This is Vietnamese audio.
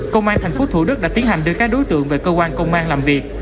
công an tp thủ đức đã tiến hành đưa các đối tượng về cơ quan công an làm việc